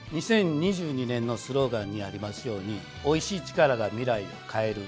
２０２２年のスローガンにありますように「おいしい力が、未来を変える。」